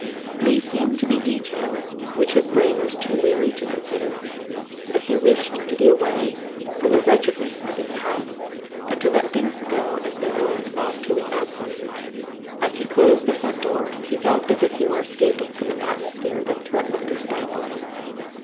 These seemed to be details which his brain was too weary to consider. But he wished to be away from the wretchedness of his house, and to let things go as they would whilst he was absent. As he closed the front door he felt as if he were escaping from an atmosphere that threatened to stifle him.